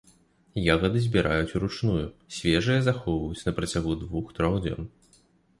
Ягады збіраюць уручную, свежыя захоўваюць на працягу двух-трох дзён.